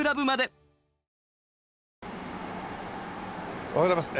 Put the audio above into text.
おはようございます。